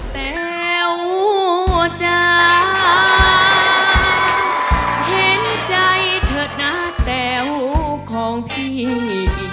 แต๋วจ๋าเค้นใจเถอะนะแต๋วของชิง